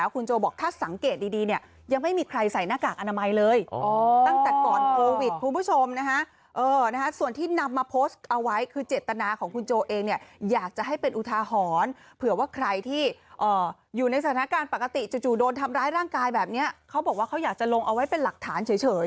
คนที่นำมาโพสต์เอาไว้คือเจตนาของคุณโจเองเนี่ยอยากจะให้เป็นอุทาหรณ์เผื่อว่าใครที่อยู่ในสถานการณ์ปกติจู่โดนทำร้ายร่างกายแบบเนี่ยเขาบอกว่าเขาอยากจะลงเอาไว้เป็นหลักฐานเฉย